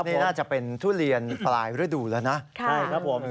นี่น่าจะเป็นทุเรียนปลายฤดูร์แล้วนะ